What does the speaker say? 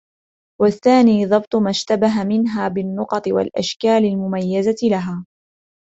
وَالثَّانِي ضَبْطُ مَا اشْتَبَهَ مِنْهَا بِالنُّقَطِ وَالْأَشْكَالِ الْمُمَيَّزَةِ لَهَا